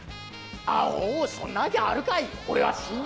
アホそんなわけあるかい。